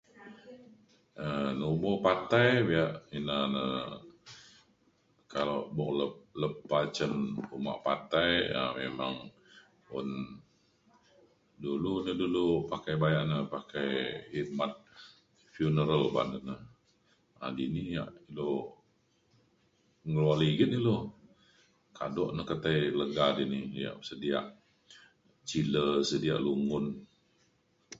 um lubu patai ya ina ne kalau buk lepa cen omak patai aa memang um un dulu ne dulu pakai bayan um pakai hikmat qiunureu oban ne le halini ya' ilu ngo'o ligit ne ilu kaduk dek ketai lega dek sedia chiller sedia lumun.